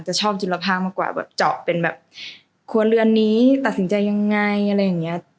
ชอบจิลภาพมากกว่าแบบเจาะเป็นแบบครัวเรือนนี้ตัดสินใจยังไงอะไรอย่างเงี้ย